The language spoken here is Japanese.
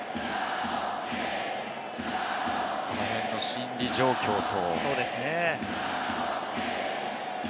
この辺の心理状況と。